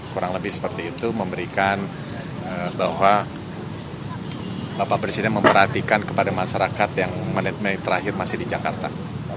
kurang lebih seperti itu memberikan bahwa bapak presiden memperhatikan kepada masyarakat yang menit menit terakhir masih di jakarta